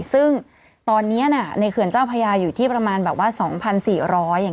ซึ่งตอนนี้ในเขื่อนเจ้าพญาอยู่ที่ประมาณแบบว่า๒๔๐๐อย่าง